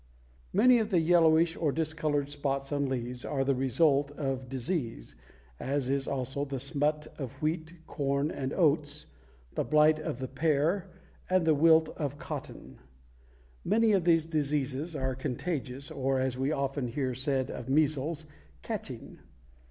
Many of the yellowish or discolored spots on leaves are the result of disease, as is also the smut of wheat, corn, and oats, the blight of the pear, and the wilt of cotton. Many of these diseases are contagious, or, as we often hear said of measles, "catching."